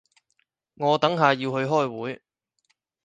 我等下要去開會